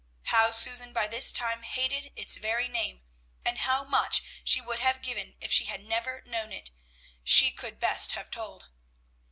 How Susan by this time hated its very name, and how much she would have given if she had never known it, she could best have told.